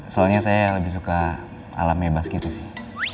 soalnya saya lebih suka alam bebas gitu sih